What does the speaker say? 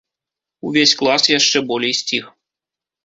Увесь клас яшчэ болей сціх.